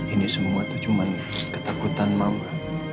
ini semua itu cuma ketakutan mama